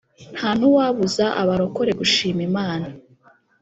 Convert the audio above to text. nta nuwabuza abarokore gushima imana